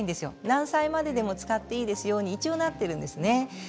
何歳まででも使っていいですよと一応なっているんですね。